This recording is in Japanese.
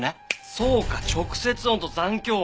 そうか直接音と残響音！